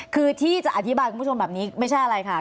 คือที่จะอธิบายคุณผู้ชมแบบนี้ไม่ใช่อะไรค่ะ